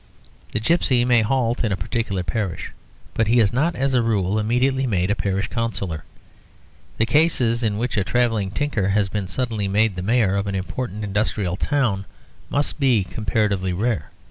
The gipsy may halt in a particular parish, but he is not as a rule immediately made a parish councillor. The cases in which a travelling tinker has been suddenly made the mayor of an important industrial town must be comparatively rare.